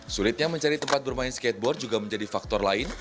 sulitnya mencari tempat bermain skateboard juga menjadi faktor lain